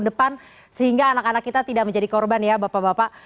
dan diperbaiki di tahun depan sehingga anak anak kita tidak menjadi korban ya bapak bapak